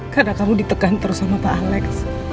karena kamu ditekan terus sama pak alex